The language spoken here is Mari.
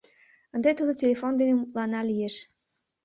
Ынде тудо телефон дене мутлана лиеш: